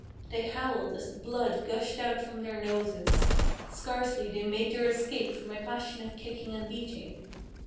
They howled as the blood gushed out from their noses: Scarcely they made their escape from my passionate kicking and beating.